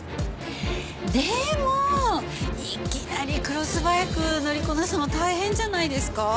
でもいきなりクロスバイク乗りこなすの大変じゃないですか？